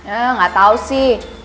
enggak tahu sih